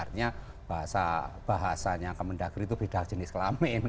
artinya bahasanya kemendagri itu beda jenis kelamin